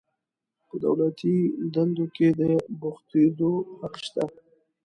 په دولتي دندو کې د بوختیدو حق شته.